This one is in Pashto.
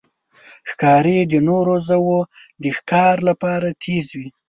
ښکاري د نورو ژوو د ښکار لپاره تیز وي.